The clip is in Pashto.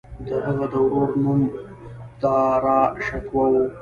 د هغه د ورور نوم داراشکوه و.